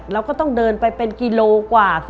เราก็ต้องเดินไปเป็นกิโลกว่า